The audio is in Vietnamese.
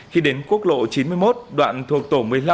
khi đến quốc lộ chín mươi một đoạn thuộc tổ một mươi năm